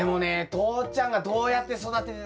父ちゃんがどうやって育ててたかさ